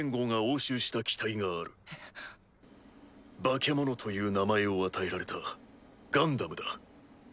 バケモノという名前を与えられたガンダムだ。